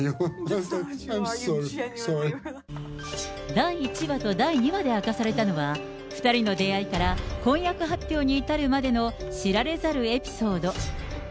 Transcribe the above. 第１話と第２話で明かされたのは、２人の出会いから婚約発表に至るまでの知られざるエピソード。